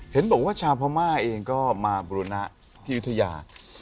เห็นบอกว่าชาวพม่าเองก็มาบุรณะที่ยุธยา